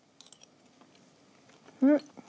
うん！